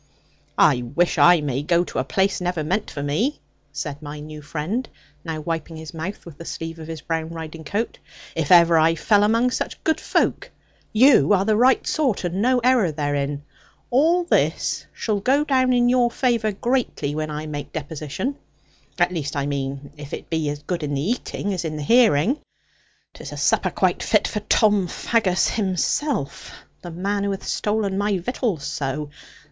'I wish I may go to a place never meant for me,' said my new friend, now wiping his mouth with the sleeve of his brown riding coat, 'if ever I fell among such good folk. You are the right sort, and no error therein. All this shall go in your favour greatly, when I make deposition. At least, I mean, if it be as good in the eating as in the hearing. 'Tis a supper quite fit for Tom Faggus himself, the man who hath stolen my victuals so.